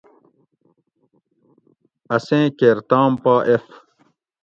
اسیں کیر تام پا ایف